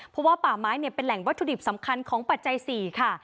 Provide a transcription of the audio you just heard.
เพราะว่าป่าไม้เป็นแหล่งวัตถุดิบสำคัญของปัจจัย๔ค่ะ